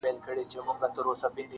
چي تپش یې بس پر خپله دایره وي,